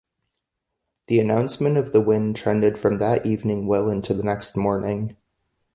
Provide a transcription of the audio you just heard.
The announcement of the win trended from that evening well into the next morning.